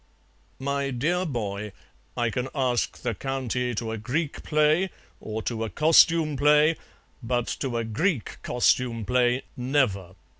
"My dear boy, I can ask the County to a Greek play, or to a costume play, but to a Greek costume play, never.